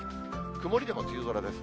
曇りでも梅雨空です。